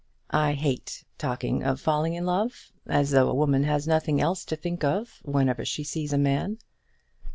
"I hate talking of falling in love; as though a woman has nothing else to think of whenever she sees a man."